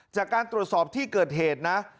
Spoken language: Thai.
จากการตรวจสอบที่เกิดเหตุนะ